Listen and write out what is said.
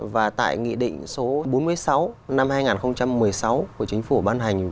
và tại nghị định số bốn mươi sáu năm hai nghìn một mươi sáu của chính phủ ban hành